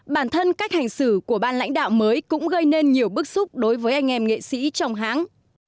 bản thân cách hành xử của ban lãnh đạo mới cũng gây nên nhiều bức xúc đối với anh em nghệ sĩ trong hãng